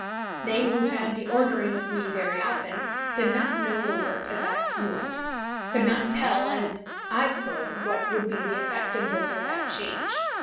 They who had the ordering of me very often did not know the work as I knew it, could not tell as I could what would be the effect of this or that change.